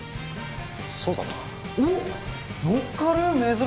そうだな。